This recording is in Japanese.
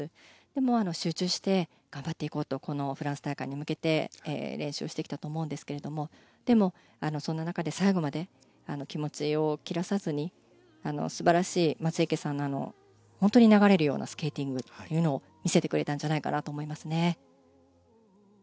でも、集中して頑張っていこうとこのフランス大会に向けて練習してきたと思うんですがでも、そんな中で最後まで気持ちを切らさずに素晴らしい松生さんの本当に流れるようなスケーティングというのを見せてくれたんじゃないかなと思いますね。